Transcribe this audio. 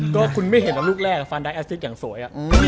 ก็คุณไม่เห็นลูกแรกฟานไดท์แอศติดอย่างสวย